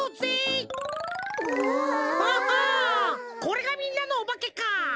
これがみんなのおばけか！